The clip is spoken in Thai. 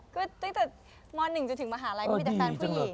ก็ตั้งแต่ม๑จนถึงมหาลัยก็มีแต่แฟนผู้หญิง